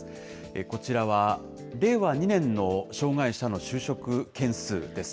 こちらは令和２年の障害者の就職件数です。